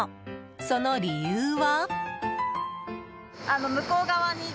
その理由は？